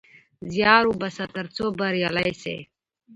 زيار وباسه ترڅو بريالی سې